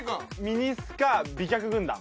ミニスカ美脚軍団。